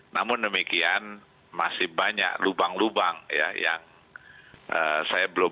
namun demikian masih banyak lubang lubang yang saya belum